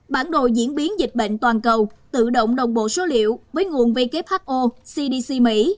bản đồ diễn biến dịch bệnh toàn cầu tự động đồng bộ số liệu với nguồn who cdc mỹ